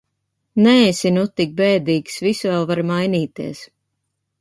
Neesi nu tik bēdīgs, viss vēl var mainīties!